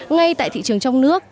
ngay tại thị trường trong nước